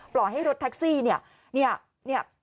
ปล่อยให้รถแท็กซี่เนี่ย